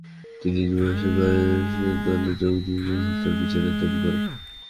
তিনি যুবাইরের সাথে আয়েশার দলে যোগ দেন এবং হত্যার বিচারের দাবি করেন।